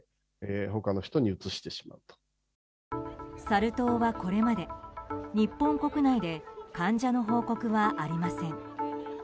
サル痘はこれまで日本国内で患者の報告はありません。